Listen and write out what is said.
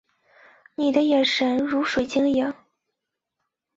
你的眼神如水晶莹